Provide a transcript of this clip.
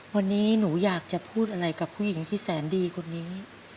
วันนี้หนูอยากจะพูดอะไรกับผู้หญิงที่แสนดีคนนี้